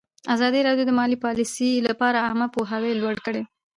ازادي راډیو د مالي پالیسي لپاره عامه پوهاوي لوړ کړی.